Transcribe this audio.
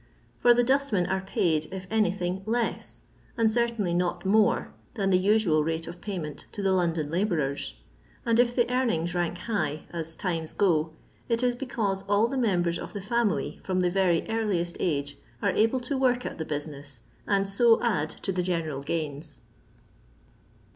For the dustmen are paid, if anything, less, and certainly not more, than the usual rate of payment to the London labourers; and if the earnings rank high, as times go, it is because all the memben of the fiunily, from the very earliest age, are able to work at the business^ and so add to the general gains.